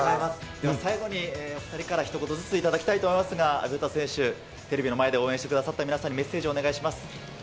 では最後にお２人からひと言ずつ頂きたいと思いますが、詩選手、テレビの前で応援してくださった皆さんに、メッセージをお願いします。